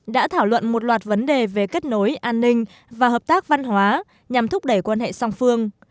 đã thảo luận một loạt vấn đề về kết nối an ninh và hợp tác văn hóa nhằm thúc đẩy quan hệ song phương